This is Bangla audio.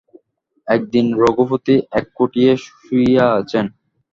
একদিন রঘুপতি এক কুটিরে শুইয়া আছেন।